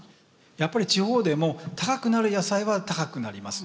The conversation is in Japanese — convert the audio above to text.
やっぱり地方でも高くなる野菜は高くなります。